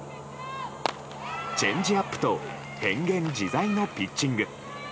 チェンジアップと変幻自在のピッチング。